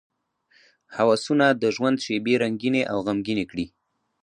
هوسونه د ژوند شېبې رنګینې او غمګینې کړي.